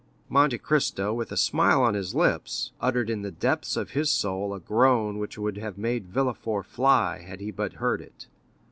Monte Cristo with a smile on his lips, uttered in the depths of his soul a groan which would have made Villefort fly had he but heard it.